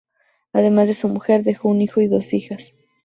Además de su mujer, dejó un hijo y dos hijas..